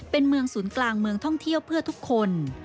เป็นเมืองศูนย์กลางเมืองท่องเที่ยวเพื่อทุกคน